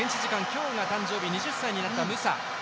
今日が誕生日２０歳になったムサ。